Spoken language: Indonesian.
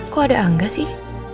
kok ada angga sih